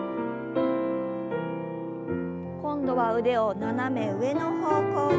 今度は腕を斜め上の方向に。